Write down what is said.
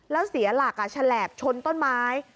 แล้วเสียหลักฉลบชนต้นไม้